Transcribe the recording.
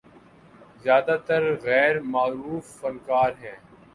زیادہ تر غیر معروف فنکار ہیں۔